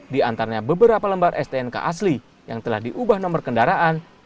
di antaranya beberapa lembar stnk asli yang telah diubah nomor kendaraan